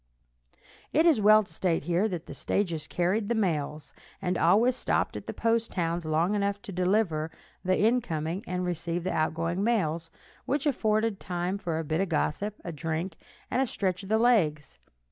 It is well to state here that the stages carried the mails, and always stopped at the post towns long enough to deliver the incoming and receive the outgoing mails, which afforded time for a bit of gossip, a drink, and a stretch of the legs.